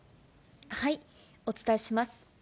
お伝えします。